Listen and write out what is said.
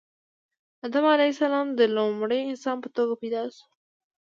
آدم علیه السلام د لومړي انسان په توګه پیدا شو